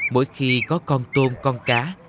mỗi khi có con tôm con cá